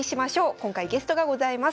今回ゲストがございます。